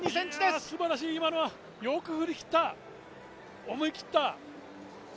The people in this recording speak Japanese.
すばらしい、今のはよく振り切った、思い切った。